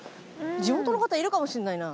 地元の方いるかもしんないな。